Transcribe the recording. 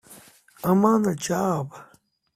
I'm on the job!